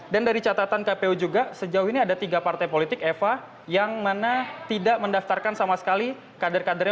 dan dari catatan kpu juga sejauh ini ada tiga partai politik eva yang mana tidak mendaftarkan sama sekali kader kadernya